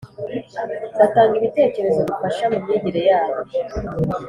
batanga ibitekerezo bifasha mumyigire yabo